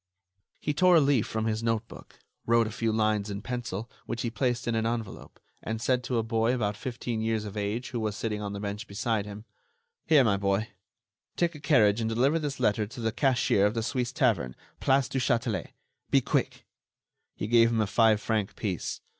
He tore a leaf from his notebook, wrote a few lines in pencil, which he placed in an envelope, and said to a boy about fifteen years of age who was sitting on the bench beside him: "Here, my boy; take a carriage and deliver this letter to the cashier of the Suisse tavern, Place du Châtelet. Be quick!" He gave him a five franc piece.